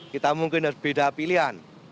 kita mungkin berbeda pilihan